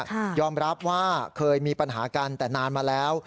ยอมรับว่าเคยมีปัญหากันแต่นานมาแล้ว